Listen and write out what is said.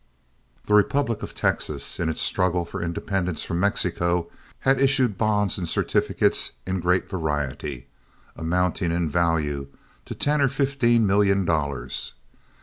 The Republic of Texas, in its struggle for independence from Mexico, had issued bonds and certificates in great variety, amounting in value to ten or fifteen million dollars.